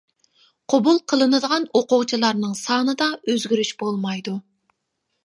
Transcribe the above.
قوبۇل قىلىنىدىغان ئوقۇغۇچىلارنىڭ سانىدا ئۆزگىرىش بولمايدۇ.